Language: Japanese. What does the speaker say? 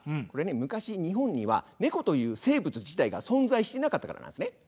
これね昔日本にはネコという生物自体が存在してなかったからなんですね。